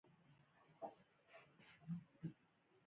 د کاناډا موسیقي صادرات لري.